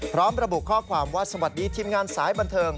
พร้อมระบุข้อความว่าสวัสดีทีมงานสายบันเทิง